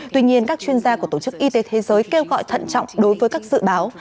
tuy nhiên các chuyên gia của tổ chức y tế thế giới kêu gọi thận trọng đối với các dự báo